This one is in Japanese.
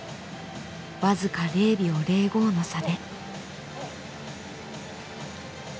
僅か「０秒０５」の差で。